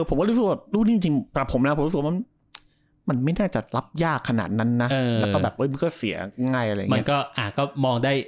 ผมรู้จริงผมรู้จังว่ามันไม่ได้จะรับยากขนาดนั้นนะมันก็เสียง่าย